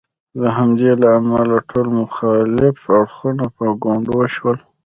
د همدې له امله ټول مخالف اړخونه په ګونډو شول.